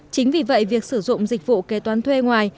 chính vì vậy việc sử dụng dịch vụ kế toán thuê ngoài